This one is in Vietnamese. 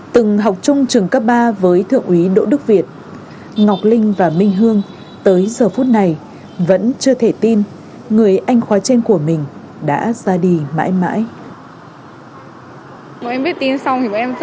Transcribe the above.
từng học chung trường cấp ba với thượng úy đỗ đức việt ngọc linh và minh hương tới giờ phút này vẫn chưa thể tin người anh khoai trên của mình đã ra đi mãi mãi